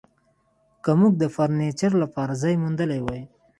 که موږ د فرنیچر لپاره ځای موندلی وای